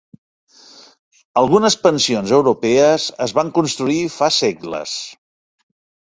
Algunes pensions europees es van construir va segles.